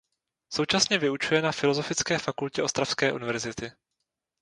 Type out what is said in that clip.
Současně vyučuje na Filozofické fakultě Ostravské univerzity.